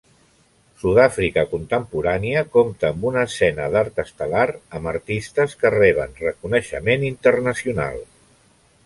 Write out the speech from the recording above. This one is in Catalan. Sud-àfrica contemporània compta amb una escena d'art estel·lar, amb artistes que reben reconeixement internacional.